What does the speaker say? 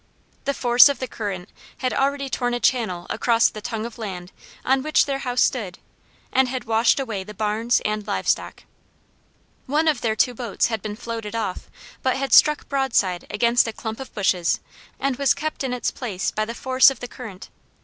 The force of the current had already torn a channel across the tongue of land on which the house stood and had washed away the barns and live stock. One of their two boats had been floated off but had struck broadside against a clump of bushes and was kept in its place by the force of the current.